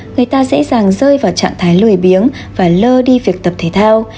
người ta dễ dàng rơi vào trạng thái lười biếng và lơ đi việc tập thể thao